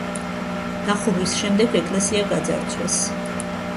დახურვის შემდეგ ეკლესია გაძარცვეს.